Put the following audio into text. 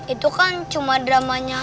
itu kan cuma dramanya